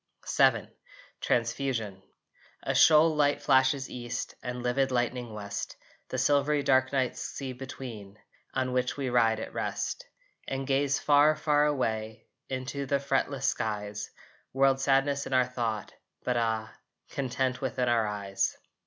VII TRANSFUSION A shoal light flashes east, And livid lightning west, The silvery dark night sea between, On which we ride at rest, And gaze far, far away Into the fretless skies, World sadness in our thought but ah, Content within our eyes.